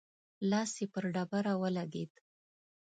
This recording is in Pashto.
لاس يې پر ډبره ولګېد.